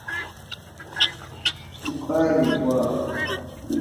bukari bwa kimbala aba bupikiyake nkuku